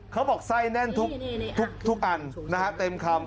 เขาบอกไส้แน่นทุกอันนะฮะเต็มคำ